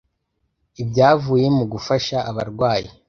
ibyavuye mu gufasha abarwayi